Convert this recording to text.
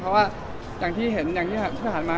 เพราะว่าอย่างที่เห็นอย่างที่ผ่านมา